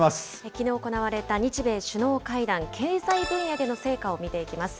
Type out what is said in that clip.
きのう行われた日米首脳会談、経済分野での成果を見ていきます。